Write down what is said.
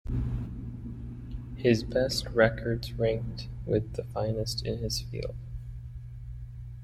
His best records ranked with the finest in his field.